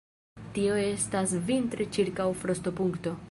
Tio estas vintre ĉirkaŭ frostopunkto.